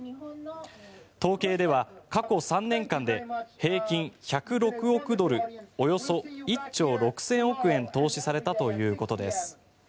統計では過去３年間で平均１０６億ドルおよそ１兆６０００億円投資されたということです。